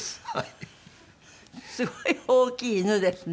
すごい大きい犬ですね。